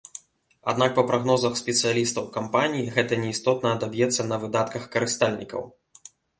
Аднак па прагнозах спецыялістаў кампаніі, гэта неістотна адаб'ецца на выдатках карыстальнікаў.